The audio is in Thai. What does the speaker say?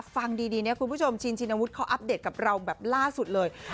ฟังดีเนี่ยคุณผู้ชมชินชินวุฒิเขาอัปเดตกับเราแบบล่าสุดเลย